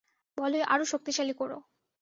বলয় আরো শক্তিশালী করো!